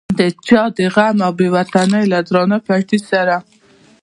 چا د غم او بې وطنۍ له درانه پیټي سره.